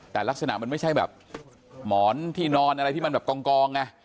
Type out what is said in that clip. แต่ลักษณะมันไม่ใช่แบบหมอนที่นอนอะไรที่มันแบบกองไง